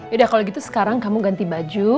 udah kalau gitu sekarang kamu ganti baju